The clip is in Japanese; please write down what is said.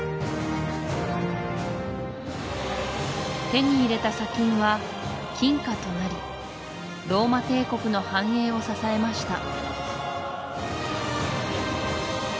手に入れた砂金は金貨となりローマ帝国の繁栄を支えました